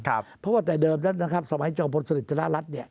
เพราะว่าแต่เดิมสมัยจองพลสศิษฐ์จรรยารัฐ